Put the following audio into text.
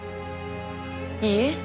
いいえ。